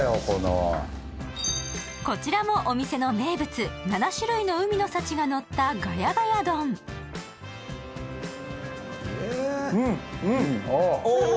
こちらもお店の名物７種類の海の幸がのったうんうんおお！